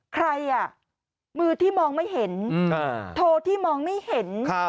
ใครอ่ะมือที่มองไม่เห็นโทรที่มองไม่เห็น